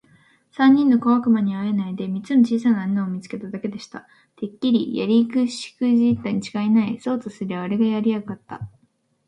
三人の小悪魔にはあえないで、三つの小さな穴を見つけただけでした。「てっきりやりしくじったにちがいない。そうとすりゃおれがやりゃよかった。」